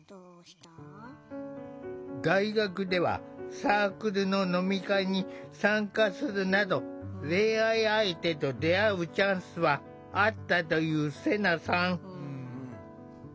大学ではサークルの飲み会に参加するなど恋愛相手と出会うチャンスはあったというセナさん。